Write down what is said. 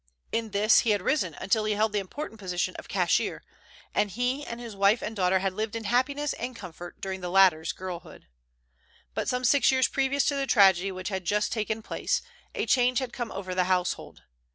In this, he had risen until he held the important position of cashier, and he and his wife and daughter had lived in happiness and comfort during the latter's girlhood. But some six years previous to the tragedy which had just taken place a change had come over the household.